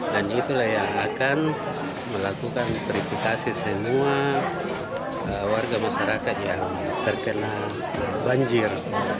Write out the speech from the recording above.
dan itulah yang akan melakukan perifikasi semua warga masyarakat yang terkena banjir